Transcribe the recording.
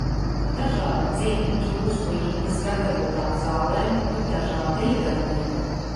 No dažādu dzimtu čūsku indes gatavotām zālēm ir dažāda iedarbība.